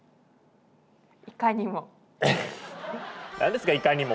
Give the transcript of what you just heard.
いかにも。